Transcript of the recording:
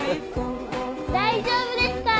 大丈夫ですか？